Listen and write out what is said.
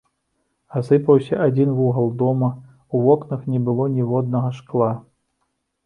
Асыпаўся адзін вугал дома, у вокнах не было ніводнага шкла.